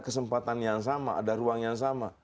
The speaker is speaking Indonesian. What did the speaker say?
kesempatan yang sama ada ruang yang sama